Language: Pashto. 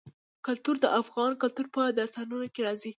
کلتور د افغان کلتور په داستانونو کې راځي.